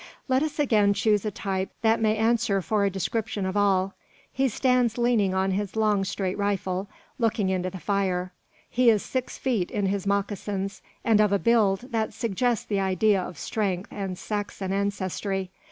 Let us again choose a type that may answer for a description of all. He stands leaning on his long straight rifle, looking into the fire. He is six feet in his moccasins, and of a build that suggests the idea of strength and Saxon ancestry.